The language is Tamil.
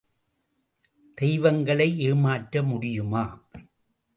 தெய்வங்களை ஏமாற்ற முடியுமா?